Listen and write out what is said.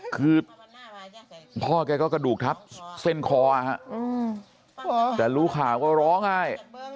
คือพ่อแกก็กระดูกทับเส้นคอฮะแต่รู้ข่าวก็ร้องไห้